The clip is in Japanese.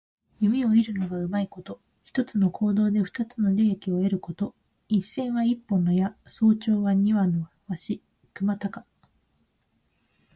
弓を射るのがうまいこと。一つの行動で二つの利益を得ること。「一箭」は一本の矢、「双雕」は二羽の鷲。くまたか。